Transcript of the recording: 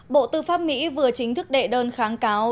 bộ tư pháp mỹ vừa chính thức đệ đơn kháng cáo